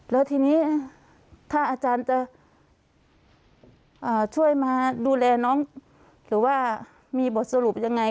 แล้วทีนี้ถ้าอาจารย์จะช่วยมาดูแลน้องหรือว่ามีบทสรุปยังไง